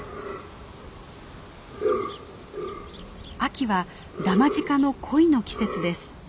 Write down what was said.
秋はダマジカの恋の季節です。